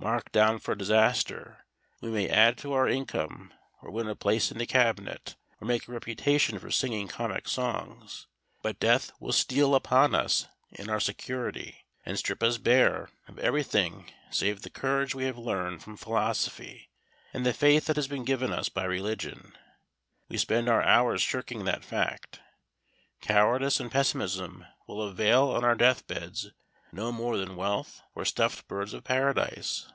Marked down for disaster, we may add to our income, or win a place in the Cabinet, or make a reputation for singing comic songs, but death will steal upon us in our security, and strip us bare of everything save the courage we have learned from philosophy and the faith that has been given us by religion. We spend our hours shirking that fact. Cowardice and pessimism will avail on our death beds no more than wealth or stuffed birds of paradise.